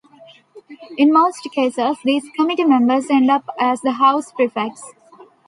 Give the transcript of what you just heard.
In most cases, these committee members end up as the house prefects.